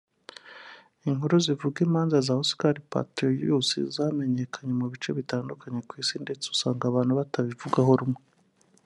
Inkuru zivuga imanza za Oscar Pistorius zamenyekanye mu bice bitandukanye ku isi ndetse ugasanga abantu batabivugaho rumwe